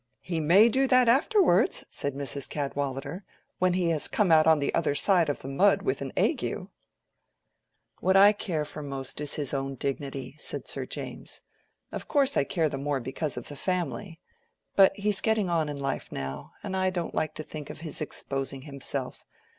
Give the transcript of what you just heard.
"He may do that afterwards," said Mrs. Cadwallader—"when he has come out on the other side of the mud with an ague." "What I care for most is his own dignity," said Sir James. "Of course I care the more because of the family. But he's getting on in life now, and I don't like to think of his exposing himself.